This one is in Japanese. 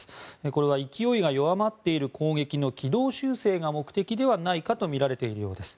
これは勢いが弱まっている攻撃の軌道修正が目的ではないかとみられているようです。